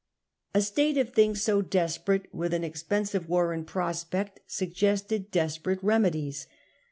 A state of things so desperate, with an expensive war in prospect, suggested desperate remedies.